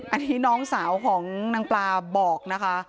อันนี้น้องสาวของนางปลาบอกนะคะ